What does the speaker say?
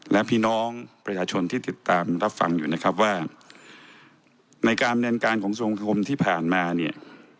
และพี่น้องประชาชนที่ติดตามรับฟังอยู่นะครับว่าในการดำเนินการของทรงคมที่ผ่านมาเนี่ย